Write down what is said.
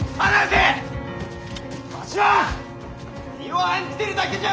・わしは身を案じてるだけじゃ！